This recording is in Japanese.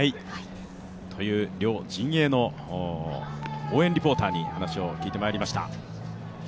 という両陣営の応援リポーターに話を聞いてまいりました。